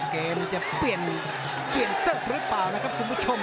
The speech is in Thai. เกมจะเปลี่ยนเสิร์ฟหรือเปล่านะครับคุณผู้ชม